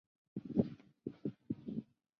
湖南黄花稔为锦葵科黄花稔属下的一个种。